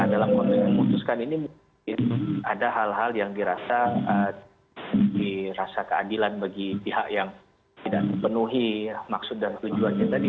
dalam konteks yang memutuskan ini mungkin ada hal hal yang dirasa keadilan bagi pihak yang tidak memenuhi maksud dan tujuannya tadi